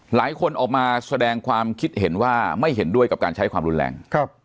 หลายคนออกมาแสดงความคิดเห็นว่าไม่เห็นด้วยกับการใช้ความรุนแรง